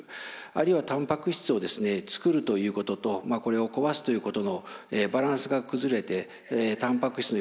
あるいはたんぱく質を作るということとこれを壊すということのバランスが崩れてたんぱく質のいわゆる代謝が高まってしまう。